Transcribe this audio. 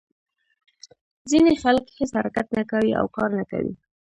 ځینې خلک هېڅ حرکت نه کوي او کار نه کوي.